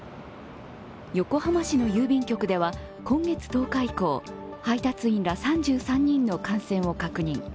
横浜市の郵便局では今月１０日、配達員ら３３人の感染を確認。